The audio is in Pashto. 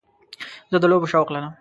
زه د لوبو شوق لرم.